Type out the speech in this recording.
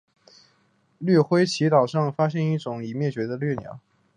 奇辉椋鸟上发现及已灭绝的一种椋鸟。